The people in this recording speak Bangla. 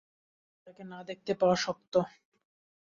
তাকে না দেখতে পাওয়া শক্ত।